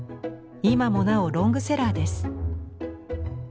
今もなおロングセラーです。